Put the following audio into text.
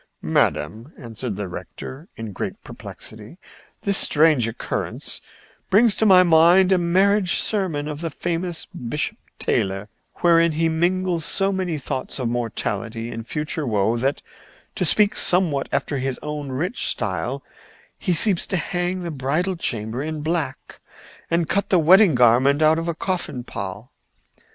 "Madam," answered the rector, in great perplexity, "this strange occurrence brings to my mind a marriage sermon of the famous Bishop Taylor wherein he mingles so many thoughts of mortality and future woe that, to speak somewhat after his own rich style, he seems to hang the bridal chamber in black and cut the wedding garment out of a coffin pall.